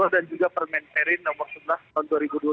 dan juga permen terin nomor sebelas tahun dua ribu dua puluh dua